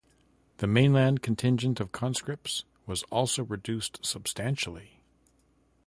The mainland contingent of conscripts was also reduced substantially.